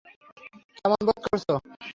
কেমন বোধ করছো?